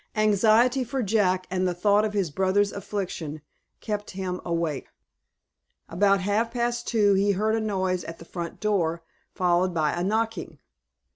Anxiety for Jack, and the thought of his brother's affliction, kept him awake. About half past two, he heard a noise at the front door, followed by a knocking.